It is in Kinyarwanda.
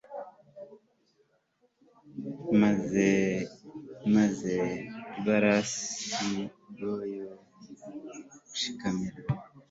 maze abirasi boye kunshikamira